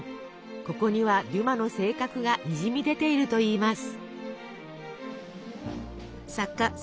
ここにはデュマの性格がにじみ出ているといいます。